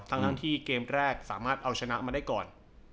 ทั้งที่เกมแรกสามารถเอาชนะมาได้ก่อน